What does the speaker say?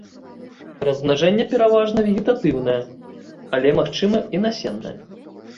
Размнажэнне пераважна вегетатыўнае, але магчыма і насеннае.